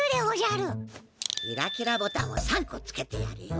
キラキラボタンを３こつけてやるよ。